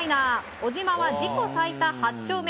小島は自己最多８勝目。